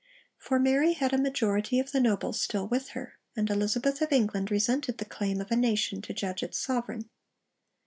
For Mary had a majority of the nobles still with her, and Elizabeth of England resented the claim of a nation to judge its sovereign.